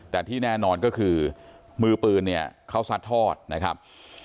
แต่ที่แน่นอนก็คือมือปืนเนี่ยเขาซัดทอดนะครับ